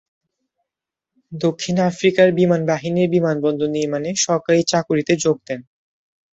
দক্ষিণ আফ্রিকার বিমানবাহিনীর বিমানবন্দর নির্মাণে সরকারী চাকুরীতে যোগ দেন।